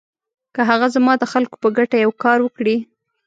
که هغه زما د خلکو په ګټه یو کار وکړي.